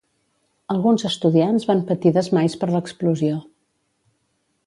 Alguns estudiants van patir desmais per l'explosió.